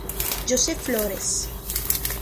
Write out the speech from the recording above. José Flores